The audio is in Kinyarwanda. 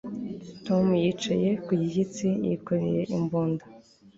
Tom yicaye ku gishyitsi yikoreye imbunda